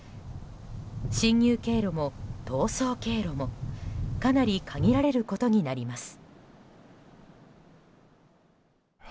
侵入経路も逃走経路もかなり限られることになります。